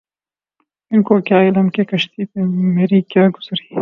ان کو کیا علم کہ کشتی پہ مری کیا گزری